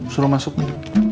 suruh masuk dulu